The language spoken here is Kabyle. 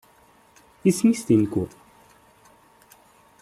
Isem-is di nnekwa?